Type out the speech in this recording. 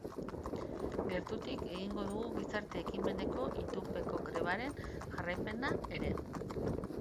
Gertutik egingo dugu gizarte ekimeneko itunpeko grebaren jarraipena ere.